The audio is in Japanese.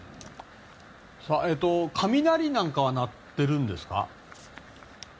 雷なんかは鳴っているんですか？